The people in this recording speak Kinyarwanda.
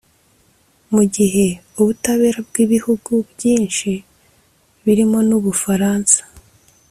mu gihe ubutabera bw'ibihugu byinshi, birimo n'u bufaransa